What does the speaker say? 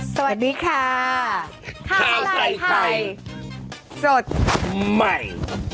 สวัสดีค่ะข้าวใส่ไข่สดใหม่